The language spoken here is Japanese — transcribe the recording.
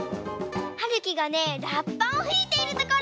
はるきがねらっぱをふいているところ！